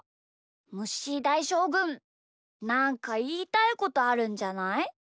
むっしーだいしょうぐんなんかいいたいことあるんじゃない？